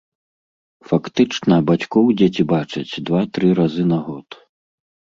Фактычна бацькоў дзеці бачаць два-тры разы на год.